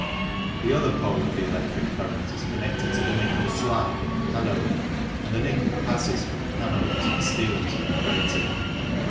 The other pole of the electric current is connected to the nickel slab (anode) and the nickel passes from the anode to the steel to be plated.